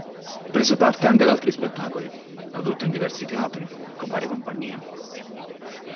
Prese parte anche ad altri spettacoli prodotti in diversi teatri con varie compagnie.